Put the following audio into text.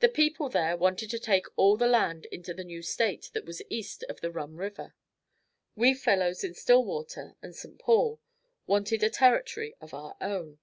The people there wanted to take all the land into the new state that was east of the Rum River. We fellows in Stillwater and St. Paul wanted a territory of our own.